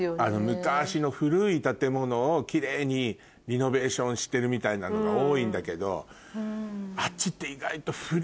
昔の古い建物をキレイにリノベーションしてるみたいなのが多いんだけどあっちって。